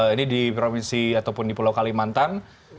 ini di provinsi ataupun di pulau kalimantan